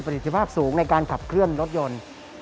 สิทธิภาพสูงในการขับเคลื่อนรถยนต์